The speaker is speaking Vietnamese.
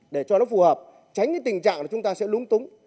để cho nó phù hợp tránh tình trạng chúng ta sẽ lúng túng